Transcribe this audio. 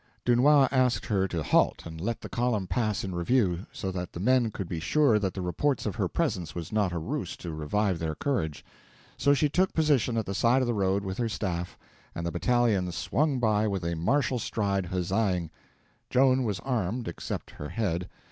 Dunois asked her to halt and let the column pass in review, so that the men could be sure that the reports of her presence was not a ruse to revive their courage. So she took position at the side of the road with her staff, and the battalions swung by with a martial stride, huzzaing. Joan was armed, except her head.